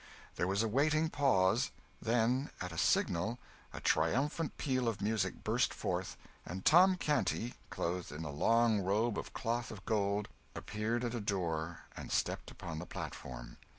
There was a waiting pause; then, at a signal, a triumphant peal of music burst forth, and Tom Canty, clothed in a long robe of cloth of gold, appeared at a door, and stepped upon the platform.